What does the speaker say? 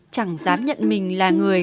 chẳng dám nhận mình là người